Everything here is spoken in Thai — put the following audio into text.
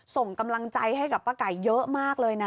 ส่งกำลังใจให้กับป้าไก่เยอะมากเลยนะ